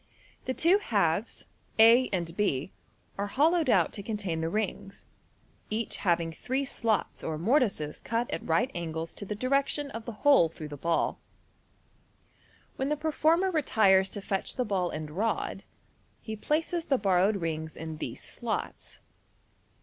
The two halves, a and b, are hollowed out to contain the Fig. 106. rings, each having three slots or mor tices cut at right angles to the direction of the hole through the ball. When the performer retires to fetch the ball and rod, he places the borrowed rings in these slots.